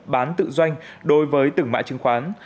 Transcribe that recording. bán tự doanh đối với tửng mại chứng khoán